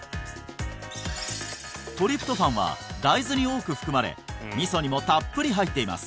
トリプトファンは大豆に多く含まれ味噌にもたっぷり入っています